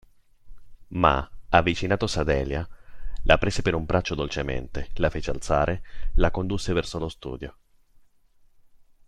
Ma, avvicinatosi a Delia, la prese per un braccio dolcemente, la fece alzare, la condusse verso lo studio.